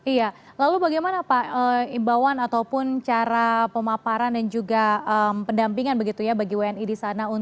iya lalu bagaimana pak imbauan ataupun cara pemaparan dan juga pendampingan bagi wni